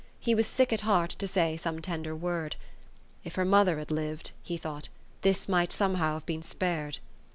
He was sick at heart to say some tender word. " If her mother had lived," he thought, "this might some how have been spared."